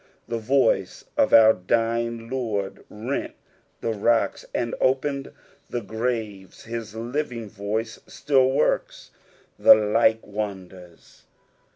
The voice of our dying Lord rent the rocks and opened the graves : his living voice still works the like wonders.